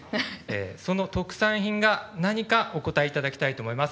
その特産品が何かお答えいただきたいと思います。